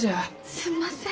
すんません。